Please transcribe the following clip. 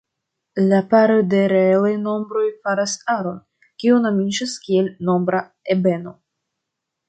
La paroj de reelaj nombroj faras aron, kiu nomiĝas kiel nombra ebeno.